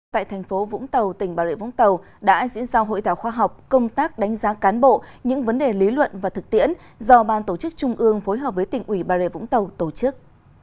tại thành phố vũng tàu tỉnh bà rịa vũng tàu đã diễn ra hội thảo khoa học công tác đánh giá cán bộ những vấn đề lý luận và thực tiễn do ban tổ chức trung ương phối hợp với tỉnh ủy bà rịa vũng tàu tổ chức